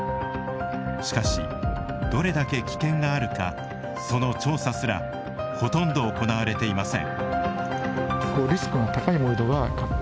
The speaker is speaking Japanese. しかし、どれだけ危険があるかその調査すらほとんど行われていません。